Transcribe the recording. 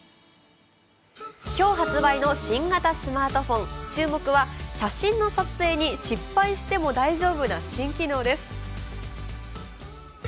今日発売の新型スマートフォン、注目は写真の撮影に失敗しても大丈夫な新機能です。